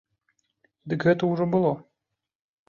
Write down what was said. Дык гэта ўжо было.